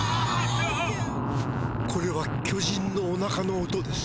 これは巨人のおなかの音です。